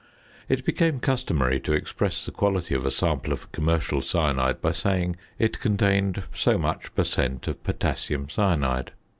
It became customary to express the quality of a sample of commercial cyanide by saying it contained so much per cent. of potassium cyanide.